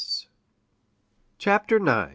CHAPTER IX.